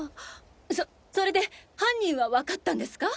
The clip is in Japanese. そそれで犯人はわかったんですか？